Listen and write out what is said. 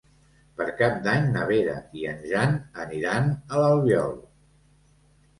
Per Cap d'Any na Vera i en Jan aniran a l'Albiol.